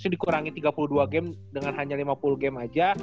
dikurangi tiga puluh dua game dengan hanya lima puluh game aja